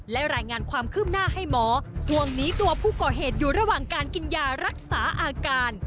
และรายงานความคืบหน้าให้หมอห่วงนี้ตัวผู้ก่อเหตุอยู่ระหว่างการกินยารักษาอาการ